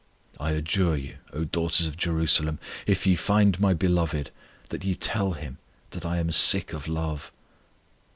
I adjure you, O daughters of Jerusalem, if ye find my Beloved, That ye tell Him, that I am sick of love.